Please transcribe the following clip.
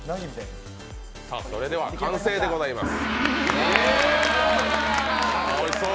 それでは完成でございます。